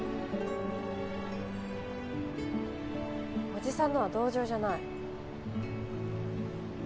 おじさんのは同情じゃない。